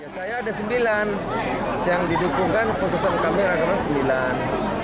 saya ada sembilan yang didukungkan putusan kami adalah sembilan